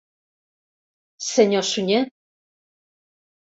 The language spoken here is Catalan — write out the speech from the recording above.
Senyor Sunyer...